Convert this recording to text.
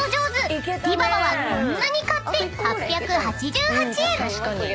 ［でぃばばはこんなに買って８８８円］